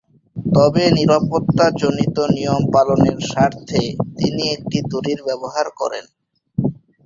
তবে নিরাপত্তাজনিত নিয়ম পালনের স্বার্থে তিনি একটি দড়ির ব্যবহার করেন।